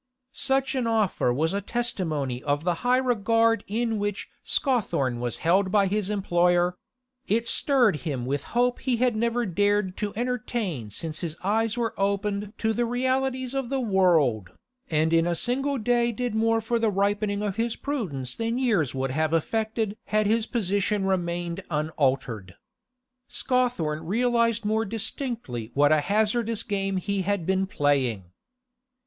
Such an offer was a testimony of the high regard in which Scawthorne was held by his employer; it stirred him with hope he had never dared to entertain since his eyes were opened to the realities of the world, and in a single day did more for the ripening of his prudence than years would have effected had his position remained unaltered. Scawthorne realised more distinctly what a hazardous game he had been playing.